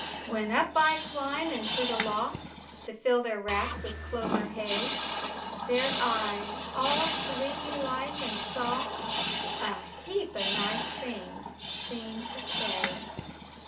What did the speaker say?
When up I climb into the loft To fill their racks with clover hay, Their eyes, all sleepy like and soft, A heap of nice things seem to say.